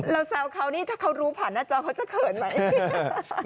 แซวเขานี่ถ้าเขารู้ผ่านหน้าจอเขาจะเขินไหม